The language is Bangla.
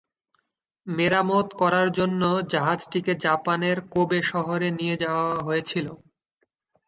মেরামত করার জন্য জাহাজটিকে জাপানের কোবে শহরে নিয়ে যাওয়া হয়ে ছিল।